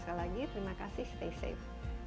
sekali lagi terima kasih stay safe